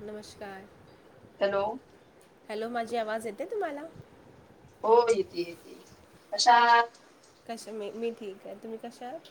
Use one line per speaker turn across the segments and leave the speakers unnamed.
नमस्कार हॅलो माझी आवाज येते तुम्हाला
हो येते येते कशा आहात.
कशा मी मी ठीक आहे तुम्ही कशा आहात.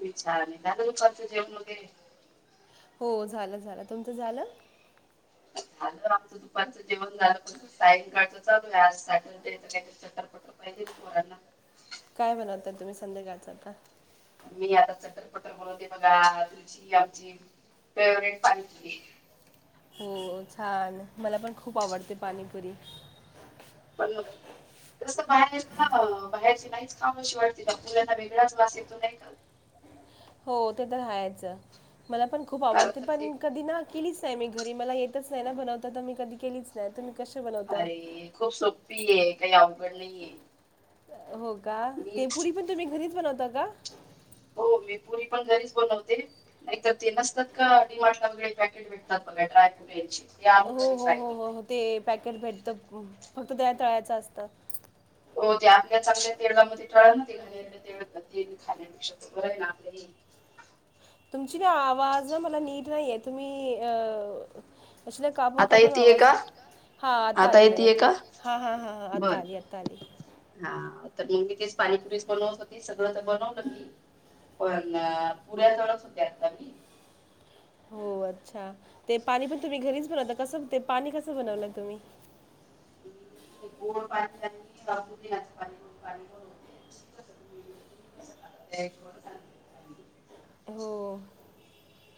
विचारलेग करत जेवणग
हो झालं झालं तुमचं झालं.
झालं आमचं दुपारचं जेवण झालं पाण सायंकाळच चालू आहे आज सॅटरडे काहीतरी चटक पटक पाहिजे पोरांना
संध्याकाळचं आता.
मी आता चटक पटक बोलवते बघा तुझी आमची फेवरेट पाणीपुरी
हो छान मला पण खूप आवडते पाणीपुरी
तसं बाहेर ना बाहेरची नाहीच काम अशी वाटते ना तना वेगळाच वास येतो नाही का?
हो ते तर हायच. मला पण खूप आवडते पण कधी ना केलीच. मी घरी मला येतच नाही ना बनवता तर मी कधी केलीच नाही तुम्ही
अरे खूप सोपी आहे काही अवघड. अवघड नाहीये.
हो. का तेपुरी पण तुम्ही घरीच बनवता. का?
हो मी पुरी पण घरीच बनवते नाहीतर ते नसतात का डिमार्टला व पॅकेट भेटतात बघा ड्राय पुऱ्याचे
हो हो हो हो हो ते पॅकेट भेटत. फक्त त्या तळाच असतं.
हो ते आपल्या चांगल्या तेळामध्ये कळते घाणेरडे तेल खाण्यापेक्षा बर आहे ना आपलं हे
तुमची ना आवाज ना मला नीट नाहीय तुम्ही अ अ ते कापून कापून आवाज हा आता आली मला त हा हा ह ह आता आली आता आली.
तर मग तेच पाणीपुरीच बनवत होती सगळं तर बनवलं मी पण पुऱ्या जराच होत्या आता मी
हो अच्छा ते पाणी पण तुम्ही घरीच बनवता कसं पाणी कसं बनवलं तुम्ही
गोड पाणी पा पाणीते त तुम्ही कसालग
हो.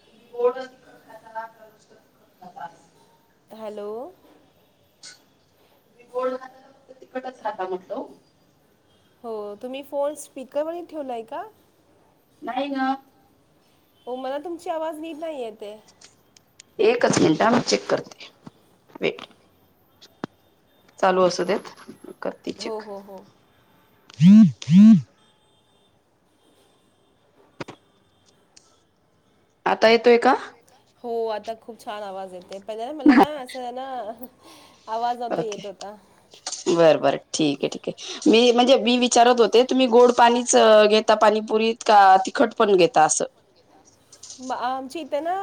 तुम्ही बोर्ड खाता र खात.
हॅलो.
बोळ तिकटच रााता म्हटलं.
हो तुम्ही फोन स्पीकर
नाही ग.
हो मला तुमची आवाज निट नाहीय. ते
एकच मिनिट म चेक करते वेट चालू असू द
हो हो हो.
हम हम. आता येतोय का?
हो आता खूप छान आवाज येते. पहिल्या ना मला ना असं ना. आवाज आता येत होता.
ठीक आहे ठीक आहे मी म्हणजे मी विचारत होते तुम्ही गोड पाणीच घेता पाणीपुरीत का तिखट पण घेता असं
त्यांना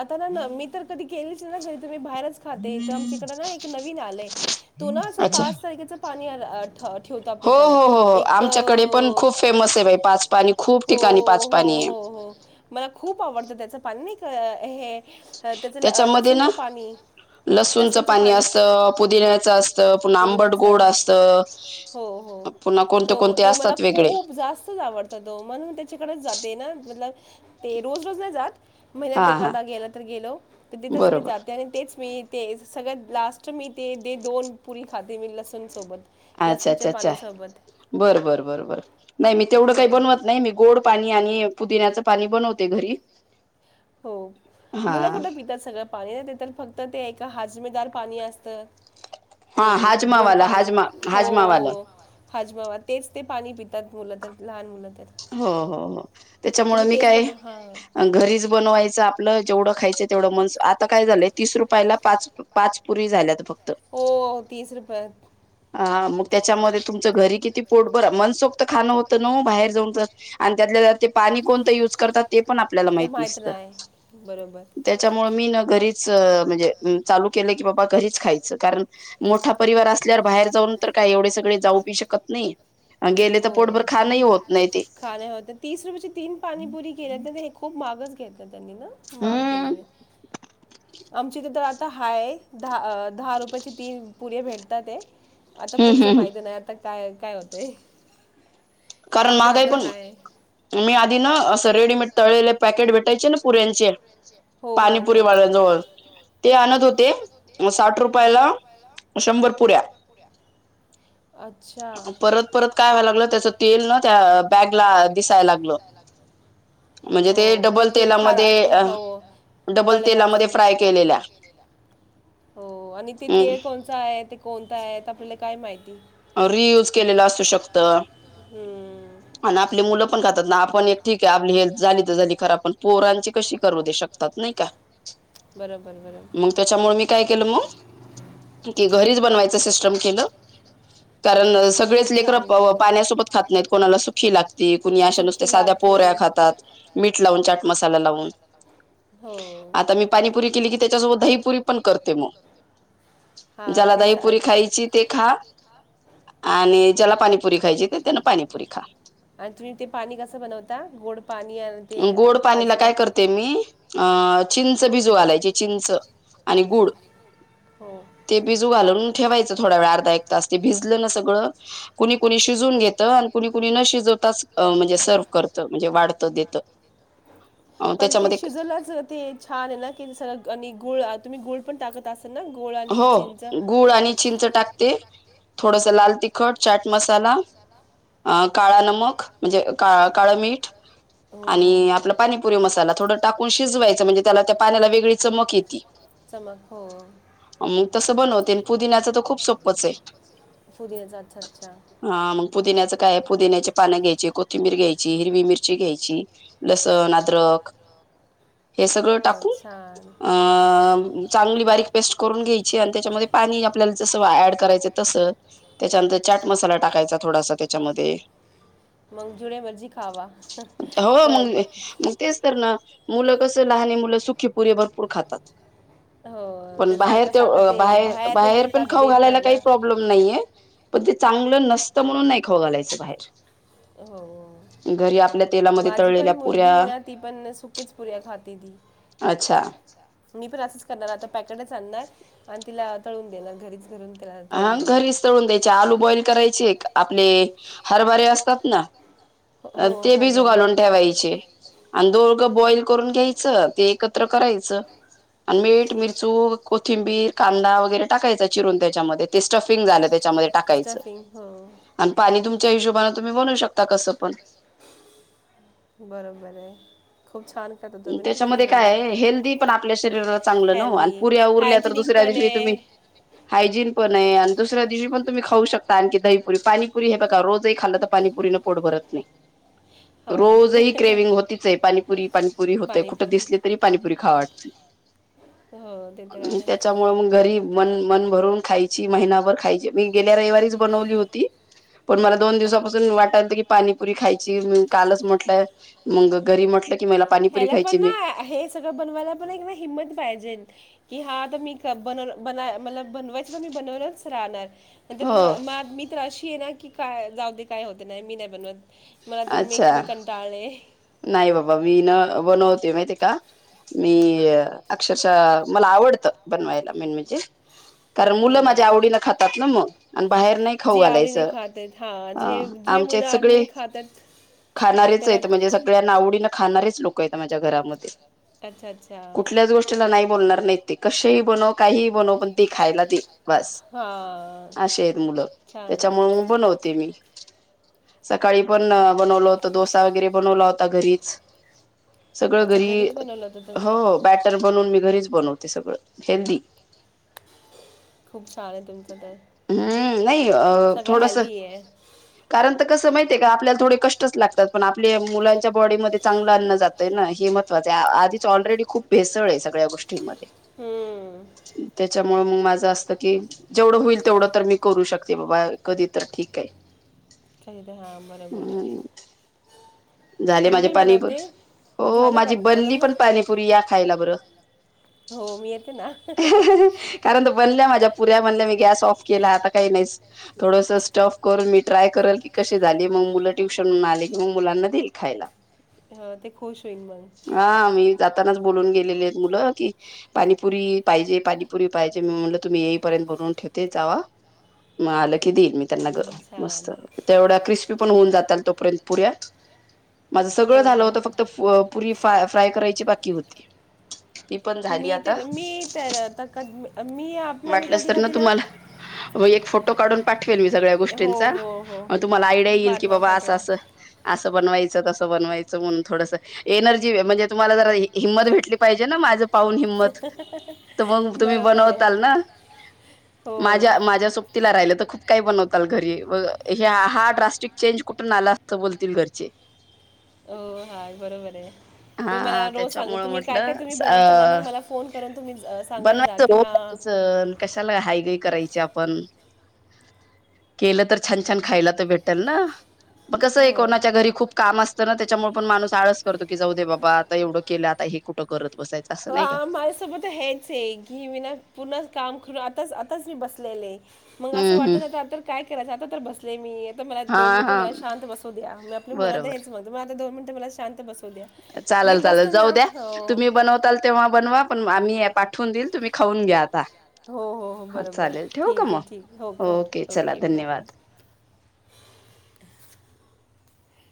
आता ना ना मी तर कधी केलीच ना मी बाहेरच खाते तर आमच्याकडे नाही एक नवीन आलय तो ना असं पाच तरीके च पाणी आणतो अथ ठेवत आपल्याकडे एक हो हो हो हो खूप आवत त्या पाणी अनेक अ हे त्याच लसूणचं पाणी लसूणच पा पुदिण्याच हो हो त तो मला खूप जास्तच आवडत तो म्हणून त्याच्याकडे जाते ना मल ते रोज रोज नाही जात महिन्यात एखादा गेला तर गेलो तर तिथेच मी जाते आणि तेच मी ते सगळ्यात लास्ट मी ते दे दोन पुरी खाते मी लसणसोबत
अच्छा अच्छा अच्छा बर बर बर बर नाही मी तेवढं काही बनवत नाही मी गोड पाणी आणि पुदिनच पाणी बनवते घरी
हो मुलं कुठं पितात सगळं पाणी नाही तर फक्त ते एक हाजमेदार पाणी असत ते गोड पाणी हो हो हजमावा तेच ते पाणी प त्यात मुलंत लहान मुलं
ह हो हो त्याच्यामुळे मी काय घरीच बनवायचं आपलं जेवढं खायचं तेवढं मन आता काय झालंय तीस रुपयाला पाच पाच पुरी झाल्यात बघ
हो तीस रुपये
हा मग त्याच्यामध्ये तुमचं घरी किती पोटबर मनसोक्त खाणं होतं न बाहेर जाऊन आणि त्यात ते पाणी कोणत युज करतात ते पण आपल्याला माहित नसत त्याच्यामुळे मी घरीच म्हणजे चालू केलं की बाबा घरीच खायचं कारण मोठा परिवार अस असल्या बाहेर जाऊन तर काही एवढे सगळे जाऊ पी शकत नाही
हो खाण्या होत तीस रुपयाची तीन पाणीपुरी केल्या खूप माग क त्यांनी ना महाग केले आमची आता हाय द दहा रुपयाची तीन पुरी भेटतात ते आता पुढचं माहिती नाही आता काय काय होतंय
कारण महागाही पण मी आधी ना अस रेडीमेड तळेले पॅकेट भेटायचे ना पुऱ्यांचे पाणीपुरी वाल्याजवळ ते आणत होते साठ रुपयाला शंभर पुऱ्या परत परत काय व्हाला त्या तेल न त्या बॅगला दिसाय लागल
हो ते तेल ख हो त जास्त हो आणि ते तेल कोण आहे कोणता आहेत आपल्याला काय माहिती
रियूज केलेला असू शकत आणि आपली मुलं पण खातात ना आपण एक ठीक आहे आपली हेल्थ झाली तर झाली खराब पण पोरांची कशी करू दे शकतात नाही का मग त्याच्यामुळे मी काय केलं मग कि घरीच बनवायच ते सिस्टिम केल कारण सगळेच लेकरं पाण्यासोबत खात नाहीत कोणाला सुखी लागते कुणी अशा नुसत साध्या पोहऱ्या खातात मीठ लावून चाट मसाला लावून आता मी पाणीपुरी केली की त्याच्यासोबत दहीपुरी पण करते मग जायला दही पुरी खायची ते खा आणि ज्याला पाणीपुरी खायची त्यान पाणीपुरी खा
आणि तुम्ही ते पाणी कसं बनवता गोड पाणी आणते हाजमा हा
अ चिंच भिजू घालायची चिंच. आणि गुळ ते भिजू घालून ठेवायचं थोडा वेळ अर्धा एक तास, ते भिजलं ना सगळं कुणी कुणी शिजून घेतं. आणि कुणी कुणी न शिजवताच म्हणजे, सर्व्ह करतं म्हणजे वाढतं देतं.
पण ते शिजलं असलं ते छान आहे ना सर्व आणि गुळ तुम्ही गुळ पण टाकत असाल.
हो गुळ आणि चिंच टाकते. थोडस लाल तिखट, चाट मसाला, अं काळा नमक म्हणजे का काळ मीठ. आणि आपला पाणीपुरी मसाला थोड टाकून शिजवायचं म्हणजे त्याला त्या पाण्याला वेगळी चमक येती
चमक हो
मग तसं बनवते पुदिण्याचं तर खूप सोपंच आहे
पुदिण्याचा अच्छा अच्छा
पुदिन्याच काय पुदिन्याचे पानं घ्यायची, कोथिंबीर घ्यायची, हिरवी मिरची घ्यायची, लसण, अद्रक. हे सगळं टाकून अं चांगली बारीक पेस्ट करून घ्यायची आणि त्याच्यामध्ये पाणी आपल्याला जस ऍड करायचं तस, त्याच्यानंतर चाट मसाला टाकायचा थोडासा त्याच्यामध्ये
मग जेवढे मर्जी आहे तेवढं खावा काय
तर ना मुलं कस लहानी मुलं सुखी पुरी भरपूर खातात पण बाहेर ते बाहेर बाहेर पण खाऊ घालायला काही प्रॉब्लेम नाहीये. पण ते चांगलं नसतं म्हणून नाही खाऊ घालायचं बाहेर.
हो माझी पण मुलगी आहे ना ती पण सुकीच पुऱ्या खाती ती मी पण असंच करणार आता पॅकेटच आणणार अन् आणि तिला तळवून देणार घरीच
हा घरीच तळून द्यायचे, आलू बॉइल करायचे आपले हरभरे असतात ना अं ते भिजू घालून ठेवायचे आणि दो बॉइल करून घ्यायचं ते एकत्र करायचं, आणि मीठ, मिरचू, कोथिंबीर, कांदा वगैरे टाकायचा चिरून त्यात. त्याच्या मध्ये ते स्टफिंग झालं त्याच्यामध्ये टाकायचा आणि पाणी तुम्ही च्या हिशोबाने तुम्ही बनवू शकता कस पण
बरोबर आहे
त्याच्यामध्ये काय हेल्दी पण आपल्या शरीराला चांगलं न आणि पुऱ्या उरल्या तर दुसऱ्या दिवशी तुम्ही हायजीन पण आहे आणि दुसऱ्या दिवशी पण तुम्ही खाऊ शकता आणखी दहीपुरी पाणीपुरी हे बघा रोजही खाल्ल तर पाणीपुरीन पोड भरत नाही. रोजही क्रेविंग होतीचय पाणीपुरी पाणीपुरी होतय कुठं दिसले तरी पाणीपुरी खावा वाटते मी त्याच्यामुळे मग घरी मन मन भरून खायची, महिनाभर खायची. मी गेल्या रविवारीच बनवली होती. पण मला दोन दिवसांपासून वाटलतं की पाणीपुरी खायची मी कालच म्हटलं मग घरी म्हटलं की मला
ह्याला पण ना हे सगळं बनवायला पण एक ना हिंमत पाहिजेल. की हा तर मी क बनवलं बनवाय मला बनवायचं तर मी बनवूनच राहणार. पण तरी म्या मी तर अशी ना की काय जाऊ दे काय होते नाही मी नाही बनवत मला पण मी मी कंटाळले.
नाही बाबा मी न बनवते माहिती आहे का? मी अक्षरशः मला आवडतं बनवायला मेन म्हणजे. कारण मुलं माझी आवडीनं खातात ना मग आणि बाहेर नाही खाऊ घालायचं. अ आमच्यात सगळे खाणारेच आहेत. म्हणजे स आवडीनें खाणारेच लोक आहेत माझ्या घरामध्ये
अच्छा अच्छा.
म्हणणार नाहीत ते. कशेही बनव काहीही बनव पण ते खायला ते बस असे आहेत मुलं, त्याच्यामुळे मग बनवते मी. सकाळी पण बनवलं होतं, डोसा वगैरे बनवला होता घरीच. सगळं घरी हो बॅटर बनवून मी घरीच बनवते सगळं, हेल्दी.
खूप छान आहे तुमचं तर.
हम्म नाही. अ थोडसं कारण ते कसं माहिती आहे का आपल्याला थोडे कष्टच कसा कसं आहे माहिती आहे का, आपल्याला थोडे कष्टच लागतात. पण आपले मुलांच्या बॉडीमध्ये चांगलं अन्न जात आहे ना, हे महत्वाच आहे. आधीच ऑलरेडी खूप भेसळ आहे, सगळ्या गोष्टींमध्ये.
हम्म.
मग माझं असतं की जेवढं होईल तेवढं तर मी करू शकते बाबा, कधी तर ठीक आहे.
हां बरोबर आहे.
झालंय माझी पाणीपुरी. हो माझी बनली पण पाणीपुरी या खायला बरं. कारण तर बनल्या माझ्या पुऱ्या बनल्या मी गॅस ऑफ केला आता काही नाही थोडस स्टफ करून मी ट्राय करल की कशी झाली मग मुलं ट्युशन म्ह आले कि मग मुलांना देईल खायला.
हा ते खुश होईल मग.
तानाच बोलून गेलेली आहेत मुलं की पाणीपुरी पाहिजे, पाणीपुरी पाहिजे. मी म्हणलं तुम्ही येईपर्यंत बनवून ठेवते. जावा मग आलेत. की देईन मी त्यांना गरम, मस्त तेवढ्यात [unintelligible] पण होऊन जातल तोपर्यंत पु्या माझं सगळं झालं होतं फक्त पुरी फाय फ्राय करायची बा की होती.
मी तर मी तर कध मी आपलं मी कधी कधी ना
मग एक फोटो काढून पाठ. ी सग्या गोष्टीं तुम्हाला आयडिया येईल की बा अस अस. बनवायचं कसं बनवायचं म्हणून थोड एनर्जी म्हणजे तुम्हाला ज हिंमत भेटली पाहिजे ना माझं.
बरोबर आहे हो.
माझ्या सोबतीला राहिलं तर खूप काही बनवताल घरी हा ड्रास्टिक चेंज कुठून आला अस बोलतील घरचे.
हो हा बरोबर आहे तुम्ही मला रोज सांग तुम्ही काय काय तुम्ही बनवताना मग मला फोन करून तुम्ही सांगत जा की हा.
करायचे आपण केलं तर छान छान खायला तर भेटेल ना. मग कसं कोणाच्या घरी खूप काम असतं ना. त्यामुळे पण माणूस आळस करतो की जाऊ दे बाबा आता एवढं केलं आता हे कुठं करत.
ह आमारे सोबत हैच आहे घी मना पुन्हा काम ख आताच आताच मी बसलेले आहे मग असं वाटत आ काय करायचं आता तर बसले मी आता मला दोन मिनिट मला शांत बसू द्या मी आपल्या मुलांना हेच म्हणत म आ दोन मिनट मला शां ब
चालेल चालेल जाऊ द्या तुम्ही बनवताल तेव्हा बनवा पण आम्ही पाठवून देईल तुम्ही खाऊन घ्या आता
हो हो हो बरोबर ठीक आहे ठीक हो का हो ओके बाय